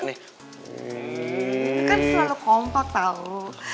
kan selalu kompak tau